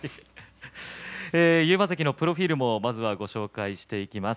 勇磨関のプロフィールをご紹介していきます。